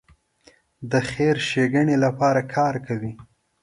د خیر ښېګڼې لپاره کار کوي.